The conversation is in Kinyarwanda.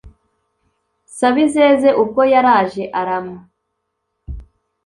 sabizeze ubwo yaraje aram